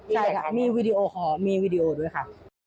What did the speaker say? ใช่ค่ะมีวีดีโอคอลมีวีดีโอด้วยค่ะ